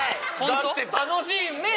だって楽しいねえ